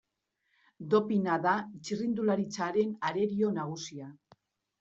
Dopina da txirrindularitzaren arerio nagusia.